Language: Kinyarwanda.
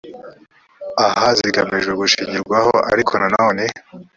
aha zigamije gushingirwaho ariko na none